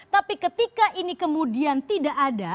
tapi ketika ini kemudian tidak ada